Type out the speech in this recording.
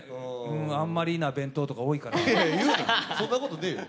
あんまりな弁当とか多いから言うな、そんなことねぇよ。